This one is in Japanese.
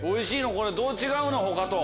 これどう違うの？他と。